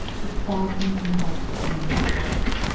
A spasm contracted Anna's heart.